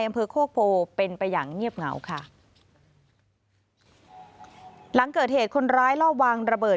อำเภอโคกโพเป็นไปอย่างเงียบเหงาค่ะหลังเกิดเหตุคนร้ายลอบวางระเบิด